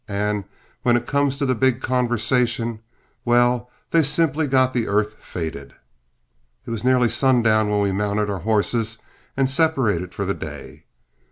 And when it comes to the big conversation well, they've simply got the earth faded." It was nearly sundown when we mounted our horses and separated for the day.